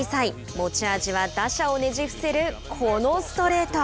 持ち味は打者をねじ伏せるこのストレート。